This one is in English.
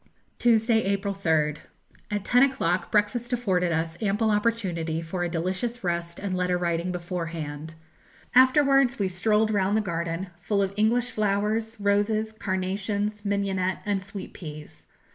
Tuesday, April 3rd. A ten o'clock breakfast afforded us ample opportunity for a delicious rest and letter writing beforehand. Afterwards we strolled round the garden, full of English flowers, roses, carnations, mignonette, and sweet peas.